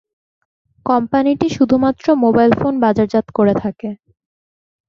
কোম্পানিটি শুধুমাত্র mobile phone বাজারজাত করে থাকে।